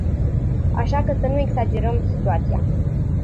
Așa că să nu exagerăm situația.